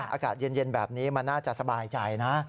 อากาศเย็นแบบนี้มันน่าจะสบายใจนะ